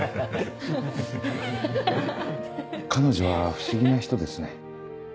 彼女は不思議な人ですね。